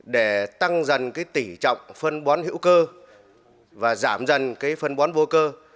để tăng dân tỉ trọng phân bón hữu cơ và giảm dân phân bón vô cơ